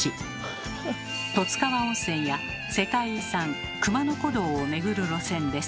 十津川温泉や世界遺産熊野古道をめぐる路線です。